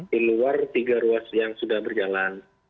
di luar tiga ruas yang sudah berjalan